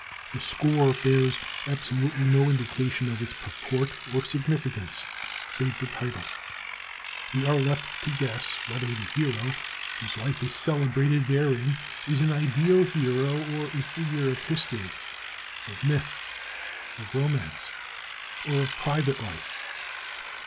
The score bears absolutely no indication of its purport or significance save the title: we are left to guess whether the "hero" whose life is celebrated therein is an ideal hero or a figure of history, of myth, of romance, or of private life.